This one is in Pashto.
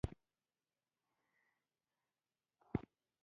د سیاسي مرکزیت نشتوالي صنعتي کېدو فرصتونه ناشو کړل.